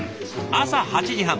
朝８時半。